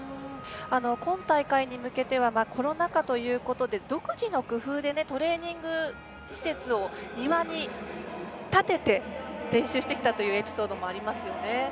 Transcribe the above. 今大会に向けてはコロナ禍ということで独自の工夫でトレーニング施設を庭に建てて、練習してきたというエピソードもありますよね。